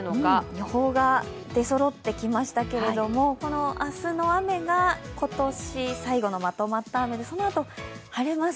予報が出そろってきましたけれども明日の雨が今年最後のまとまった雨で、そのあと晴れます。